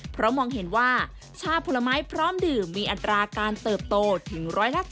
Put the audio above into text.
เพราะมองเห็นว่าชาผลไม้พร้อมดื่มมีอัตราการเติบโตถึง๑๗